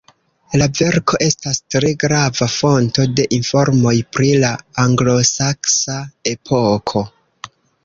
La verko estas tre grava fonto de informoj pri la anglosaksa epoko.